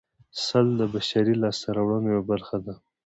سل د بشري لاسته راوړنو یوه برخه ده